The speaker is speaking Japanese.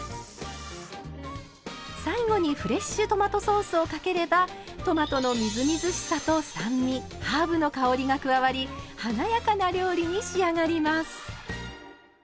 最後にフレッシュトマトソースをかければトマトのみずみずしさと酸味ハーブの香りが加わり華やかな料理に仕上がります。